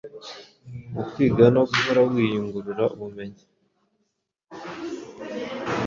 mu kwiga no guhora wiyungura ubumenyi,